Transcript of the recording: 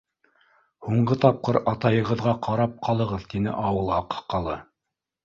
— Һуңғы тапҡыр атайығыҙға ҡарап ҡалығыҙ, — тине ауыл аҡһаҡалы.